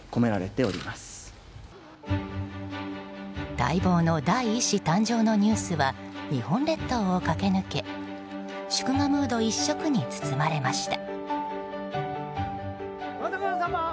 待望の第１子誕生のニュースは日本列島を駆け抜け祝賀ムード一色に包まれました。